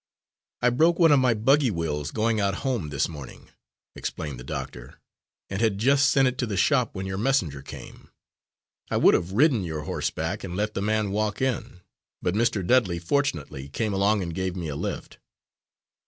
"I broke one of my buggy wheels going out home this morning," explained the doctor, "and had just sent it to the shop when your messenger came. I would have ridden your horse back, and let the man walk in, but Mr. Dudley fortunately came along and gave me a lift."